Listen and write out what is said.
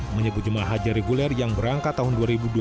menyebut jemaah haji reguler yang berangkat tahun dua ribu dua puluh